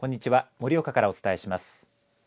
盛岡からお伝えします。